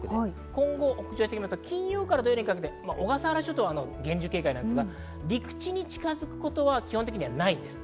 今後、北上してきますと金曜から土曜日にかけて小笠原諸島、厳重警戒が必要で、陸地に近づくことは基本的にはないです。